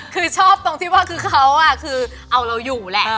คือชอบตรงที่ว่าคือเขาคือเอาเราอยู่แหละ